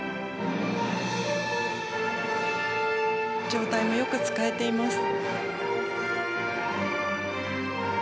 上体もよく使えています。